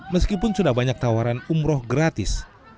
meskipun sudah banyak tawaran umroh gratis